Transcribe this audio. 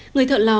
người thợ lò